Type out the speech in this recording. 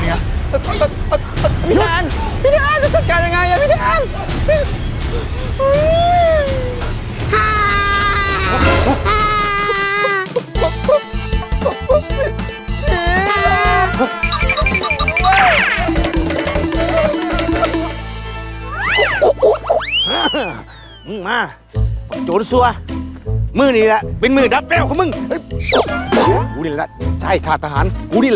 นี่นี่นี่นิ